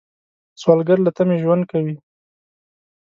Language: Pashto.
سوالګر له تمې ژوند کوي